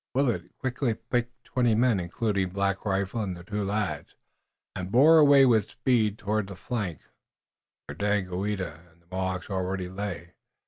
Willet quickly picked twenty men, including Black Rifle and the two lads, and bore away with speed toward the flank where Daganoweda and the Mohawks already lay.